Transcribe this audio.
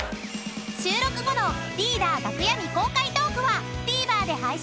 ［収録後のリーダー楽屋未公開トークはＴＶｅｒで配信。